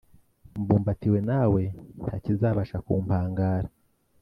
Mbumbatiwe nawe ntakizabasha kumpangara